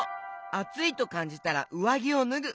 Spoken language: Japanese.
あついとかんじたらうわぎをぬぐ。